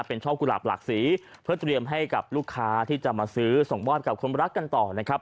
เป็นช่อกุหลาบหลากสีเพื่อเตรียมให้กับลูกค้าที่จะมาซื้อส่งมอบกับคนรักกันต่อนะครับ